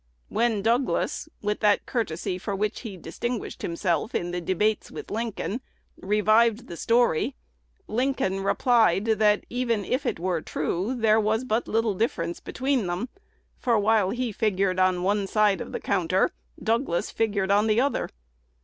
When Douglas, with that courtesy for which he distinguished himself in the debates with Lincoln, revived the story, Lincoln replied, that, even if it were true, there was but little difference between them; for, while he figured on one side of the counter, Douglas figured on the other.